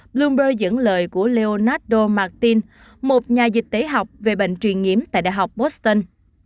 bloomberg dẫn lời của leonardo martin một nhà dịch tế học về bệnh truyền nhiễm tại đại học poston